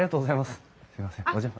すいませんお邪魔。